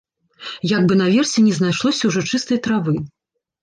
Як бы наверсе не знайшлося ўжо чыстай травы.